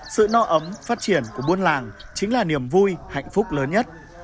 sự no ấm phát triển của buôn làng chính là niềm vui hạnh phúc lớn nhất